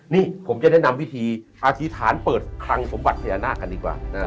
นี่ผมจะได้นำวิธีอธิษฐานเปิดคลังสมบัติพญานาคกันดีกว่า